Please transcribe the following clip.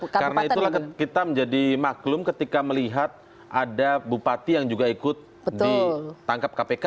karena itulah kita menjadi maklum ketika melihat ada bupati yang juga ikut ditangkap kpk